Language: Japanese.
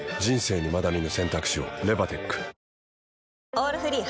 「オールフリー」